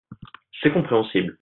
C’est compréhensible.